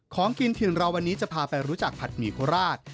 ของกินถิ่นเราวันนี้จะพาไปรู้จักผัดหมี่โคราช